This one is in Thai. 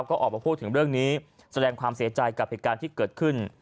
ก็ออกมาพูดถึงเรื่องนี้แสดงความเสียใจกับเหตุการณ์ที่เกิดขึ้น